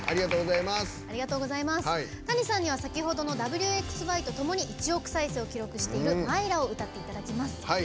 Ｔａｎｉさんには先ほどの「Ｗ／Ｘ／Ｙ」とともに１億再生を記録している「Ｍｙｒａ」を歌っていただきます。